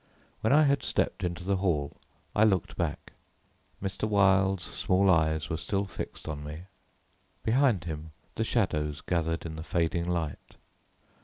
When I had stepped into the hall I looked back. Mr. Wilde's small eyes were still fixed on me. Behind him, the shadows gathered in the fading light.